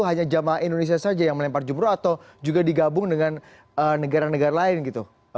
hanya jamaah indonesia saja yang melempar jumroh atau juga digabung dengan negara negara lain gitu